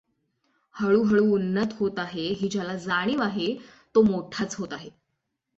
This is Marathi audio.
हळूहळू उन्नत होत आहे, ही ज्याला जाणीव आहे, तो मोठाच होत आहे.